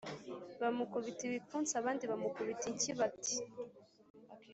Bamukubita ibipfunsi abandi bamukubita inshyi bati